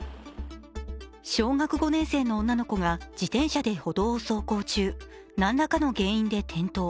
小学５年生の女の子が自転車で歩道を走行中、何らかの原因で転倒。